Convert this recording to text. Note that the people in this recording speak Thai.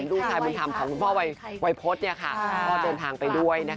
ลูกชายบุญธรรมของคุณพ่อวัยพฤษก็เดินทางไปด้วยนะคะ